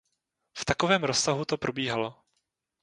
V takovém rozsahu to probíhalo.